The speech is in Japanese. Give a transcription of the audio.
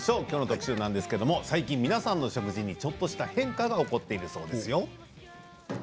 きょうの特集なんですが、最近皆さんの食事にちょっとした変化が起こっているそうなんですよ。